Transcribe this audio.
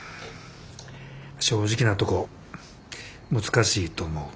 正直なとこ難しいと思う。